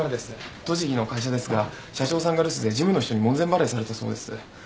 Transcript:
栃木の会社ですが社長さんが留守で事務の人に門前払いされたそうです。